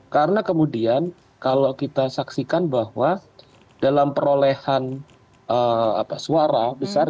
karena kemudian kalau kita saksikan bahwa dalam perolehan suara besar